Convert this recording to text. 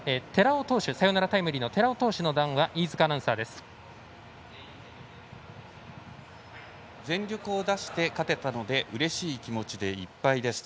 サヨナラタイムリーの寺尾投手の談話飯塚アナウンサーです。